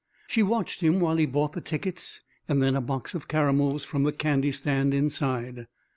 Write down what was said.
She watched him while he bought the tickets and then a box of caramels from the candy stand inside.